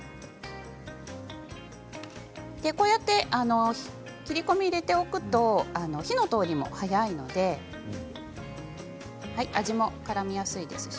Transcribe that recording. こうやって切り込みを入れておくと火の通りも早いので味もからみやすいです。